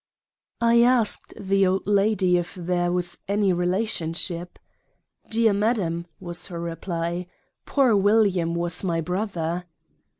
I asked the old Lady if there was any Relationship? Dear Madam, was her Reply — Poor William was my Brother.